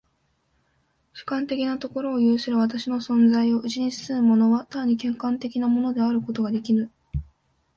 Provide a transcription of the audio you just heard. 主観的なところを有する私の存在をうちに包むものは単に客観的なものであることができぬ。